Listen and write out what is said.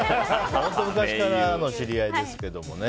本当昔からの知り合いですけどね。